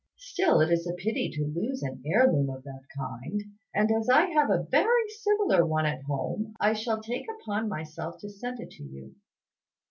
Still, it is a pity to lose an heir loom of that kind; and as I have a very similar one at home, I shall take upon myself to send it to you."